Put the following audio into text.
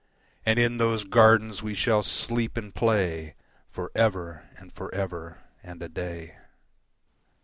And in those gardens we shall sleep and play For ever and for ever and a day.